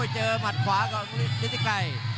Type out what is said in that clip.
เจอมัดขวากับฤติไกร